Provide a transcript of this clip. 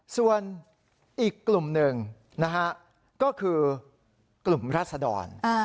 ส่วนอีกกลุ่มหนึ่งนะฮะก็คือกลุ่มรัศดร